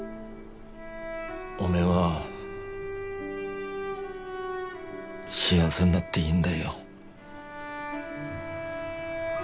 おめえは幸せになっていいんだよ。